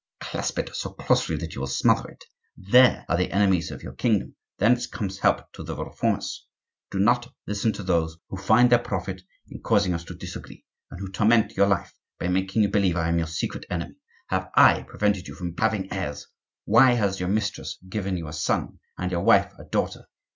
Clasp it so closely that you will smother it! There are the enemies of your kingdom; thence comes help to the Reformers. Do not listen to those who find their profit in causing us to disagree, and who torment your life by making you believe I am your secret enemy. Have I prevented you from having heirs? Why has your mistress given you a son, and your wife a daughter?